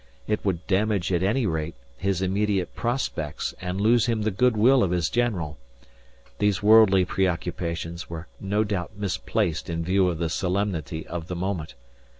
It would damage, at any rate, his immediate prospects and lose him the good will of his general. These worldly preoccupations were no doubt misplaced in view of the solemnity of the moment.